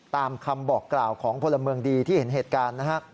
ตามคำบอกกล่าวของพลเมืองดีที่เห็นเหตุการณ์นะฮะ